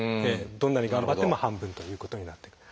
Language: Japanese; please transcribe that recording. どんなに頑張っても半分ということになって。